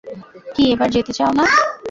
কী, এবার যেতে চাও না?